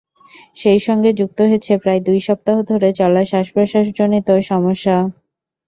সেই সঙ্গে যুক্ত হয়েছে প্রায় দুই সপ্তাহ ধরে চলা শ্বাস-প্রশ্বাসজনিত সমস্যা।